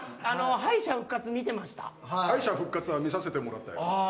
敗者復活は見させてもらったよ。